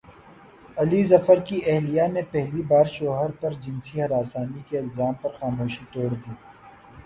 علی ظفر کی اہلیہ نے پہلی بار شوہر پرجنسی ہراسانی کے الزام پر خاموشی توڑ دی